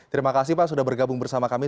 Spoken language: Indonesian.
terima kasih pak sudah bergabung bersama kami